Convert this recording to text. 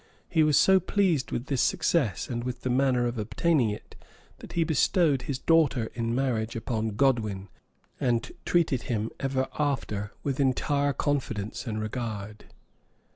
He was so pleased with this success, and with the manner of obtaining it that he bestowed his daughter in marriage upon Godwin, and treated him ever after with entire confidence and regard.